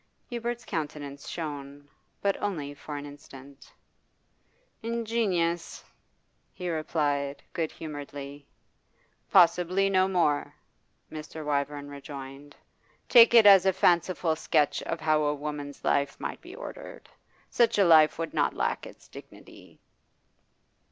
Hubert's countenance shone, but only for an instant. 'Ingenious,' he replied, good humouredly. 'Possibly no more,' Mr. Wyvern rejoined. 'Take it as a fanciful sketch of how a woman's life might be ordered. Such a life would not lack its dignity.